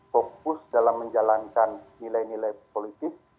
fokus dalam menjalankan nilai nilai politik